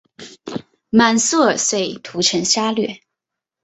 满速儿遂屠城杀掠。